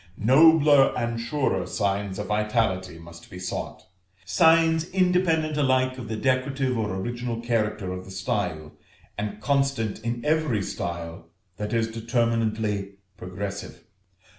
Nobler and surer signs of vitality must be sought, signs independent alike of the decorative or original character of the style, and constant in every style that is determinedly progressive.